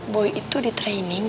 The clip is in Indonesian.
boy itu di training